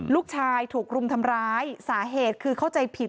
ลูกชายถูกรุมทำร้ายสาเหตุคือเข้าใจผิด